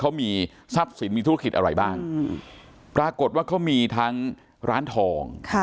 เขามีทรัพย์สินมีธุรกิจอะไรบ้างปรากฏว่าเขามีทั้งร้านทอง